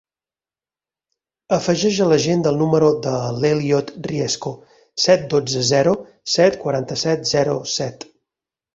Afegeix a l'agenda el número de l'Elliot Riesco: set, dotze, zero, set, quaranta-set, zero, set.